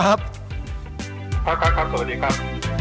ครับครับครับสวัสดีครับ